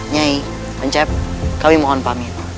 nyai mencap kami mohon pamit